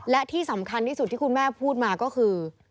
และที่สำคัญที่สุดที่คุณแม่พูดมาก็คือ